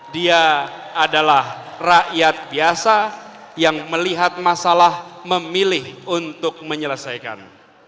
dia adalah rakyat biasa yang melihat masalah memilih untuk menyelesaikan